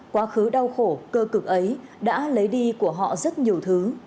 quá khứ đau khổ cơ cực ấy đã lấy đi của họ rất nhiều thứ